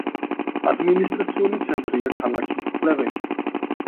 ადმინისტრაციული ცენტრია ქალაქი პლევენი.